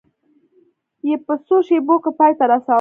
یې په څو شېبو کې پای ته رسوله.